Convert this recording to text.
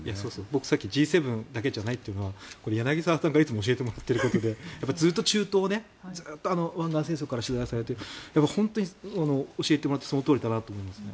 僕、さっきＧ７だけじゃないというのは柳澤さんから教えてもらっていることでずっと中東を湾岸戦争から取材されて本当に教えてもらってそのとおりだと思いますね。